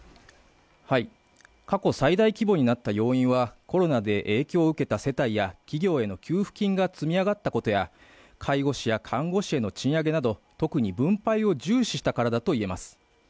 過去最大規模になった要因はコメナで影響を受けた家計や企業への給付金が積み上がったことや介護士や看護師への賃上げなど、特に分配を重視したからだといえます。